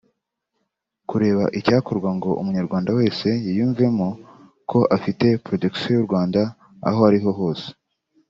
Kureba icyakorwa ngo umunyarwanda wese yiyumvemo ko afite protection y’u Rwanda aho ari hose